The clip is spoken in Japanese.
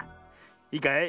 いいかい？